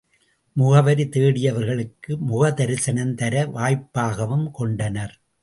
முகவரி தேடியவர்களுக்கு முகதரிசனம் தர வாய்ப்பாகவும் கொண்டனர்.